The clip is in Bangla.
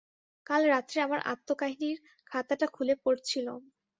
কাল রাত্রে আমার আত্মকাহিনীর খাতাটা খুলে পড়ছিলুম।